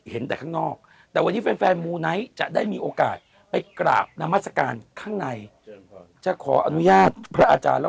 แต่ข้างนอกแต่วันนี้แฟนแฟนมูไนท์จะได้มีโอกาสไปกราบนามัศกาลข้างในจะขออนุญาตพระอาจารย์แล้ว